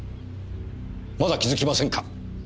まだ気づきませんか？